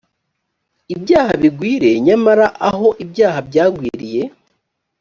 ibyaha bigwire nyamara aho ibyaha byagwiriye